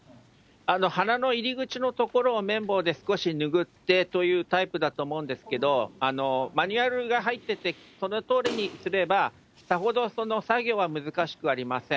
鼻の入り口の所を綿棒で少し拭ってというタイプだと思うんですけれども、マニュアルが入ってて、このとおりにすれば、さほどその作業は難しくありません。